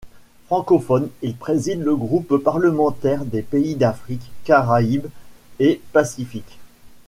Francophone, il préside le groupe parlementaire des pays d'Afrique, Caraïbes et Pacifique.